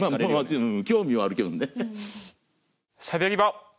興味はあるけどね。